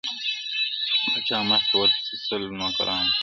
پاچا مخكي ورپسې سل نوكران وه!!